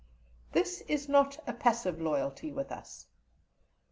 This is not a passive loyalty with us.